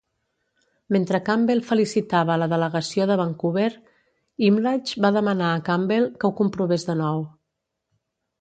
Mentre Campbell felicitava la delegació de Vancouver, Imlach va demanar a Campbell que ho comprovés de nou.